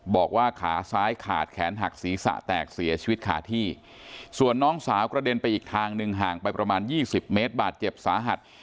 บอกว่าขาซ้ายขาดแขนหักศีรษะแตกเสียชีวิตขาที่ส่วนน้องสาวกระเด็นไปอีกทางหนึ่งห่างไปประมาณยี่สิบเมตรบาดเจ็บสาหัส